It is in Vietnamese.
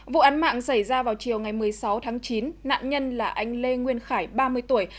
vụ án mạng xảy ra vào chiều ngày một mươi sáu tháng chín nạn nhân là anh lê nguyên khải ba mươi tuổi